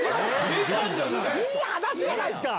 いい話じゃないっすか！